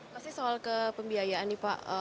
pasti soal ke pembiayaan nih pak